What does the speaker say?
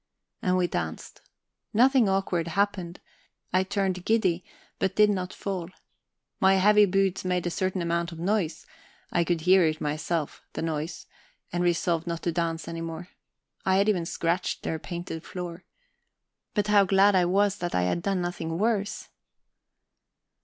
And we danced. Nothing awkward happened; I turned giddy, but did not fall. My heavy boots made a certain amount of noise; I could hear it myself, the noise, and resolved not to dance any more; I had even scratched their painted floor. But how glad I was that I had done nothing worse!